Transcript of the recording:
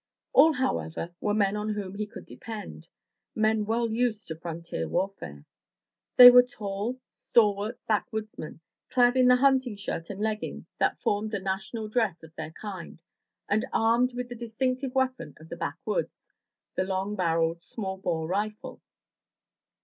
All, however, were men on whom he could de pend — men well used to frontier warfare. They were tall, stalwart backwoodsmen, clad in the hunting shirt and leggings that formed the national dress of their kind, and armed with the distinctive weapon of the backwoods, the long barreled, small bore rifle.